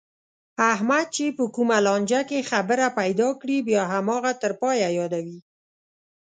احمد چې په کومه لانجه کې خبره پیدا کړي، بیا هماغه تر پایه یادوي.